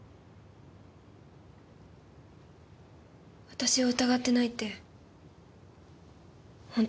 私を疑ってないってほんと？